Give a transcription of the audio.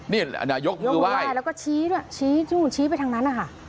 นี่ยกมือไหว้แล้วก็ชี้ด้วยชี้ไปทางนั้นอ่ะค่ะ